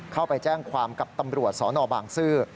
เข้าไปแจ้งความกับตำรวจสนบางซื่อ